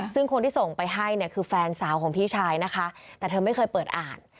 ซึ่งคนที่ส่งไปให้เนี่ยคือแฟนสาวของพี่ชายนะคะแต่เธอไม่เคยเปิดอ่าน